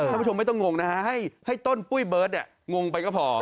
คุณผู้ชมไม่ต้องงงนะฮะให้ต้นปุ้ยเบิร์ตงงไปก็พอ